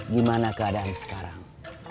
gimana keadaan sekarang